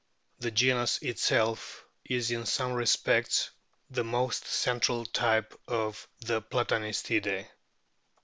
The genus itself is in some respects the most central type of the Platanistidae.